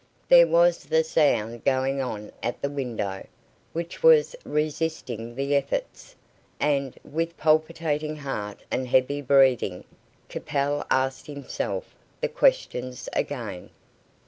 There was the sound going on at the window, which was resisting the efforts, and, with palpitating heart and heavy breathing, Capel asked himself the questions again.